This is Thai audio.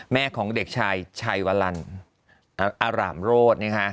แม่ของเด็กชายชัยวลันอารามโรธ